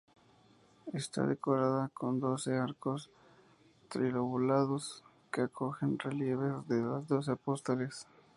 Está decorada con doce arcos trilobulados que acogen relieves de los doce apóstoles.